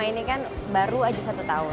ini kan baru aja satu tahun